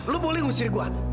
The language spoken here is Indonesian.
lu boleh ngusir gue